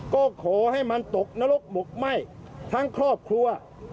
ก็ขอให้มันตกนรกหมกไหม้ทั้งครอบครัว